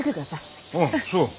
あっそう？